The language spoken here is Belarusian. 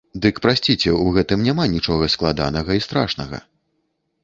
Дык прасіце, у гэтым няма нічога складанага і страшнага.